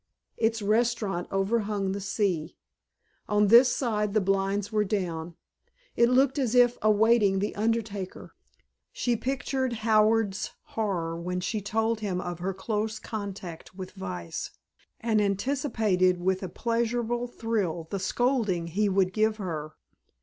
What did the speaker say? Its restaurant overhung the sea. On this side the blinds were down. It looked as if awaiting the undertaker. She pictured Howard's horror when she told him of her close contact with vice, and anticipated with a pleasurable thrill the scolding he would give her.